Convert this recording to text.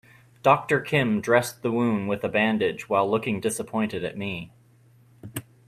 Doctor Kim dressed the wound with a bandage while looking disappointed at me.